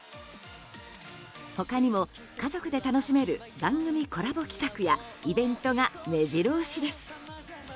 他にも、家族で楽しめる番組コラボ企画やイベントが目白押しです。